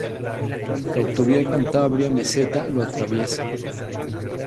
La Autovía Cantabria-Meseta lo atraviesa.